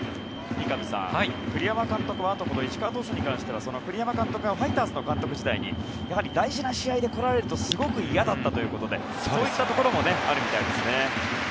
三上さん栗山監督は石川投手に関しては栗山監督がファイターズの監督時代に大事な試合に来られるとすごく嫌だったということでそういったところもあるみたいです。